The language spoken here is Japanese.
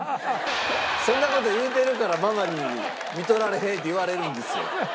そんな事言うてるからママに「看取られへん」って言われるんですよ。